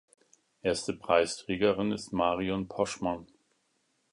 Erste Preisträgerin ist Marion Poschmann.